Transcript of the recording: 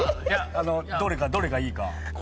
どれがいいか。